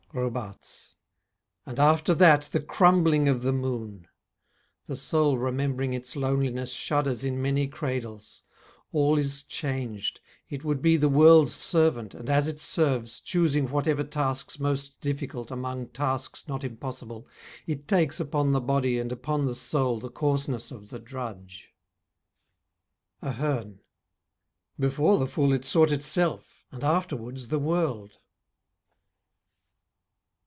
_ ROBARTES And after that the crumbling of the moon. The soul remembering its loneliness Shudders in many cradles; all is changed, It would be the World's servant, and as it serves, Choosing whatever task's most difficult Among tasks not impossible, it takes Upon the body and upon the soul The coarseness of the drudge. AHERNE Before the full It sought itself and afterwards the world.